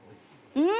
うん？